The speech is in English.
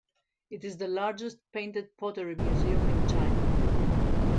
It is the largest painted pottery museum in China.